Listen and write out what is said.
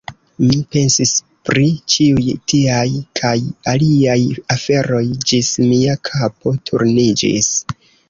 Mi pensis pri ĉiuj tiaj kaj aliaj aferoj, ĝis mia kapo turniĝis.